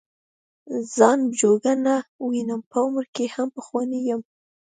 ځان جوګه نه وینم په عمر کې هم پخوانی یم.